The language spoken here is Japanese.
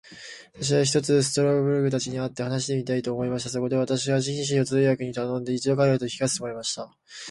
私は、ひとつストラルドブラグたちに会って話してみたいと思いました。そこで私は、紳士を通訳に頼んで、一度彼等と引き合せてもらいました。